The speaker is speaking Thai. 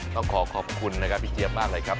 เราขอขอบคุณพี่เจียมมากเลยครับ